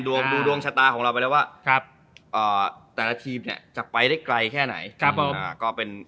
ดูดวงชะตาของเราไปแล้วว่าแต่ละทีมเนี่ยจะไปได้ไกลแค่ไหน